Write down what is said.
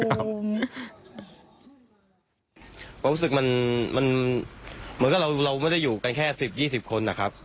ความรู้สึกมันเหมือนกับเราไม่ได้อยู่กันแค่๑๐๒๐คนนะครับ